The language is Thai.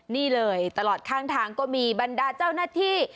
นี่เลยตลอดข้างทางก็มีบรรดาเจ้าหน้าที่